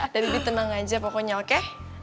dan bi tenang aja pokoknya oke